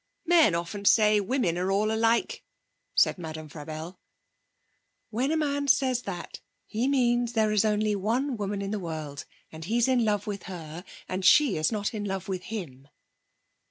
'Men often say women are all alike,' said Madame Frabelle. 'When a man says that, he means there is only one woman in the world, and he's in love with her, and she is not in love with him.'